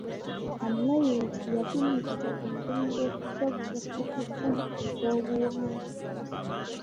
Omulabirizi yavumirira engeri z'okujaguza ssekukulu ez'obuwangwa.